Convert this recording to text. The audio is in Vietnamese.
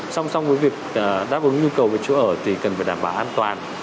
song song với việc đáp ứng nhu cầu về chỗ ở thì cần phải đảm bảo an toàn